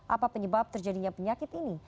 apa penyebab terjadinya penyakit ini